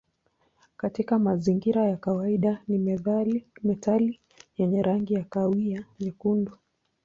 Katika mazingira ya kawaida ni metali yenye rangi ya kahawia nyekundu.